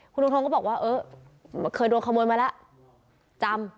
คุณท้องท้องก็บอกว่าเอ๊เคยโดนขโมยมาล่ะจำ